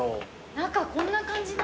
中こんな感じ。